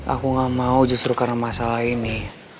aku gak mau justru karena masalah ini